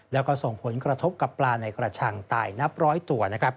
แล้วก็ส่งผลกระทบกับปลาในกระชังตายนับร้อยตัว